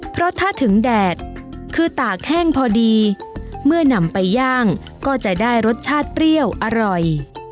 เพราะถ้าถึงแดดคือตากแห้งพอดีเมื่อนำไปย่างก็จะได้รสชาติเปรี้ยวอร่อย